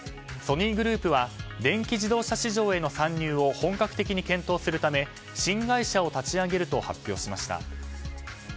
ソニーグループは電気自動車市場への参入を本格的に検討するため新会社を立ち上げると発表しました。